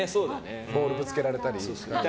ボールぶつけられたり。